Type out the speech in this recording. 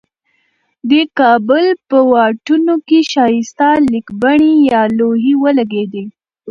دې کابل په واټونو کې ښایسته لیکبڼي یا لوحی ولګیدي.